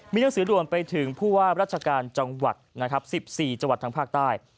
มีหนังสือด่วนไปถึงผู้ว่าราชการจังหวัดนะครับ๑๔จังหวัดทางภาคใต้